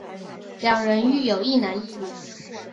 两人育有一男一女。